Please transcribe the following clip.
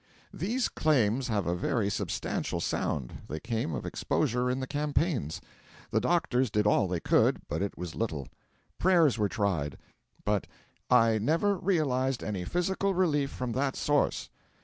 These claims have a very substantial sound. They came of exposure in the campaigns. The doctors did all they could, but it was little. Prayers were tried, but 'I never realised any physical relief from that source.'